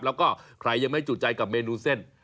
แล้วก็ใครยังไม่จุดใจกับเมนูเส้น